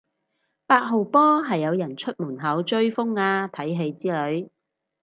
八號波係有人出門口追風啊睇戲之類